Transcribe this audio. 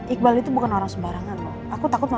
iqbal itu bukan orang sembarangan mo